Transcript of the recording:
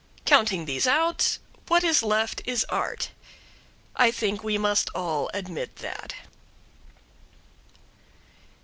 Counting these out, what is left is Art. I think we must all admit that.